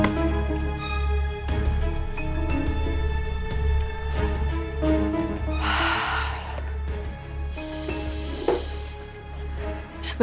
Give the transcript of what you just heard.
oh ya tuhin